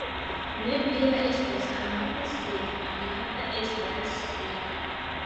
Ne bela estas amata, sed amata estas bela.